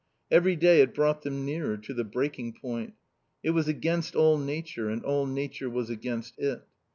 Every day it brought them nearer to the breaking point. It was against all nature and all nature was against it.